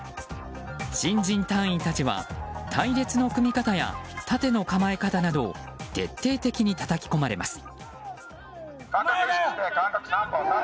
新人隊員たちは隊列の組み方や盾の構え方など徹底的にたたき込まれます。